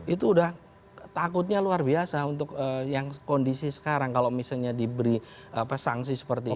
itu udah takutnya luar biasa untuk yang kondisi sekarang kalau misalnya diberi sanksi seperti ini